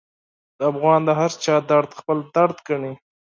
افغان د هرچا درد خپل درد ګڼي.